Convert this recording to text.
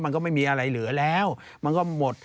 มันก็ไม่มีอะไรเหลือแล้วมันก็หมด